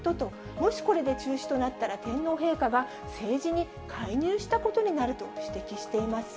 もしこれで中止となったら、天皇陛下が政治に介入したことになると指摘しています。